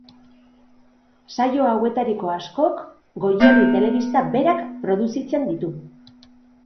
Saio hauetariko askok Goierri Telebista berak produzitzen ditu.